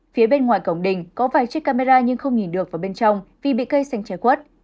phía bên ngoài cổng đình có vài chiếc camera nhưng không nhìn được vào bên trong vì bị cây xanh trái quất